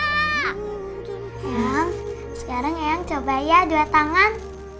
ya sekarang ayang coba ya dua tangan